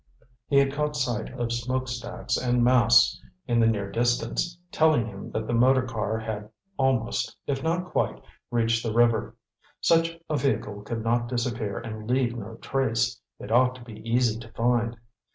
He had caught sight of smoke stacks and masts in the near distance, telling him that the motor car had almost, if not quite, reached the river. Such a vehicle could not disappear and leave no trace; it ought to be easy to find.